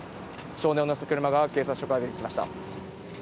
少年を乗せた車が警察署から出てきました。